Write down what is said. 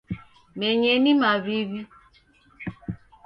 Menyeni mawiwi